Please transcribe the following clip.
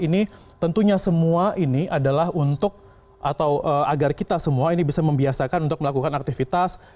ini tentunya semua ini adalah untuk atau agar kita semua ini bisa membiasakan untuk melakukan aktivitas